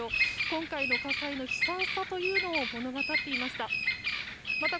今回の火災に悲惨さを物語っていました。